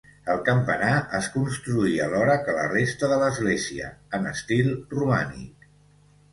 El campanar es construí alhora que la resta de l'església, en estil romànic.